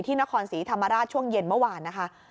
นครศรีธรรมราชช่วงเย็นเมื่อวานนะคะ